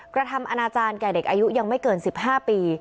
กระทำอนาจารย์แก่เด็กอายุยังไม่เกิน๑๕ปี